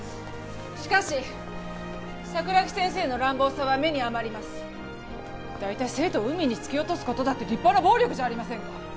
しかし桜木先生の乱暴さは目に余ります大体生徒を海に突き落とすことだって立派な暴力じゃありませんか